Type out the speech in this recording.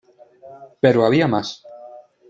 Pero había más.